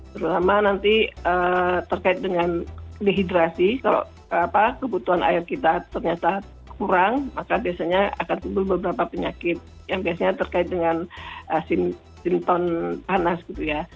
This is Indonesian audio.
terutama nanti terkait dengan dehidrasi kalau kebutuhan air kita ternyata kurang maka biasanya akan tumbuh beberapa penyakit yang biasanya terkait dengan sinton panas gitu ya